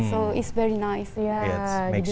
jadi itu sangat bagus